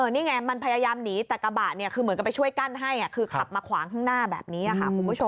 นี่ไงมันพยายามหนีแต่กระบะเนี่ยคือเหมือนกับไปช่วยกั้นให้คือขับมาขวางข้างหน้าแบบนี้ค่ะคุณผู้ชม